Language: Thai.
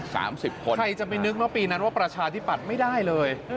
สามสิบคนใครจะไปนึกว่าปีนั้นว่าประชาธิปัตย์ไม่ได้เลย